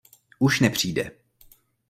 Už nepřijde.